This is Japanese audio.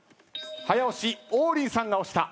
早押し王林さんが押した。